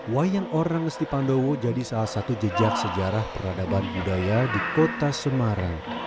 wayang orang ngesti pandowo jadi salah satu jejak sejarah peradaban budaya di kota semarang